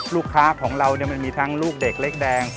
ลูกค้าของเรามันมีทั้งลูกเด็กเล็กแดง